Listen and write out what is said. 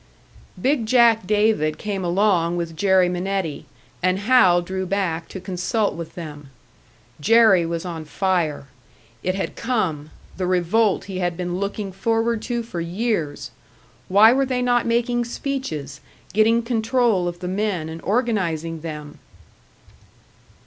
"Big Jack" David came along with Jerry Minetti, and Hal drew back to consult with them. Jerry was on fire. It had come the revolt he had been looking forward to for years! Why were they not making speeches, getting control of the men and organising them?